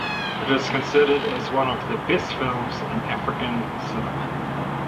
It is considered as one of the best films in African cinema.